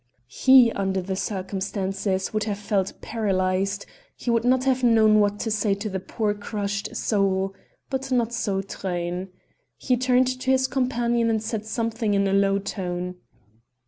He, under the circumstances, would have felt paralyzed he would not have known what to say to the poor crushed soul; but not so Truyn. He turned to his companion and said something in a low tone.